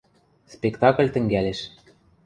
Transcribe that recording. Спектакль тӹнгӓлеш.